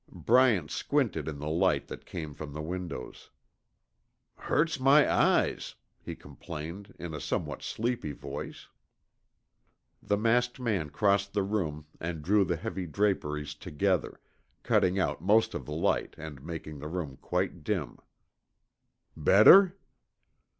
Bryant squinted in the light that came from the windows. "Hurts my eyes," he complained in a somewhat sleepy voice. The masked man crossed the room and drew the heavy draperies together, cutting out most of the light and making the room quite dim. "Better?"